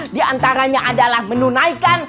di antaranya adalah menunaikan